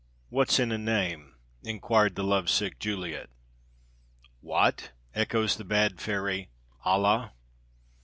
"What's in a name?" inquired the love sick Juliet. "What?" echoes the bad fairy "Ala."